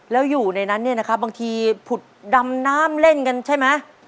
แล้วอยู่ในนั้นบางทีผุดดำน้ำเล่นกันใช่ไหม